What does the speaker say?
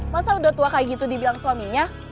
masa udah tua kayak gitu dibilang suaminya